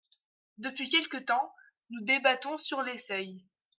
Depuis quelque temps, nous débattons sur les seuils.